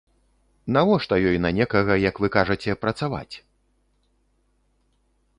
Навошта ёй на некага, як вы кажаце, працаваць?